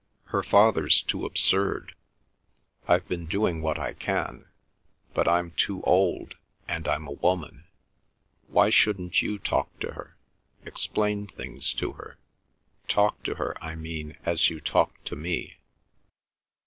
Her father's too absurd. I've been doing what I can—but I'm too old, and I'm a woman. Why shouldn't you talk to her—explain things to her—talk to her, I mean, as you talk to me?"